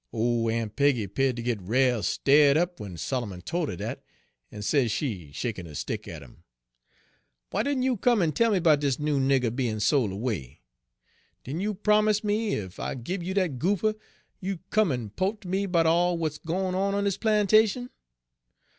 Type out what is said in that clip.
"Ole Aun' Peggy 'peared ter git rale stirred up w'en Solomon tol' 'er dat, en sez she, shakin' her stick at 'im: " 'W'y didn' you come en tell me 'bout dis noo nigger bein' sol' erway? Didn' you promus me, ef I'd gib you dat goopher, you'd come en 'po't ter me 'bout all w'at wuz gwine on on dis plantation?